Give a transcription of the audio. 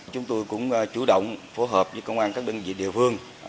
chúng tôi cũng chủ động phù hợp với công an các định dị địa phương